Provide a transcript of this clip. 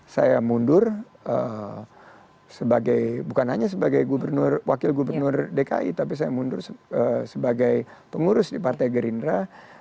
saya mundur bukan hanya sebagai wakil gubernur dki tapi saya mundur sebagai pengurus di partai gerindra